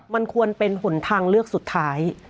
มันควรเป็นหนทางเลือกสุดท้าย